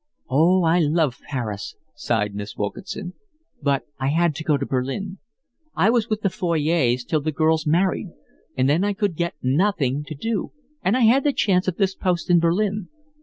"Oh, I love Paris," sighed Miss Wilkinson. "But I had to go to Berlin. I was with the Foyots till the girls married, and then I could get nothing to do, and I had the chance of this post in Berlin.